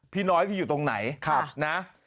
พี่น้อยพี่อยู่ตรงไหนนะ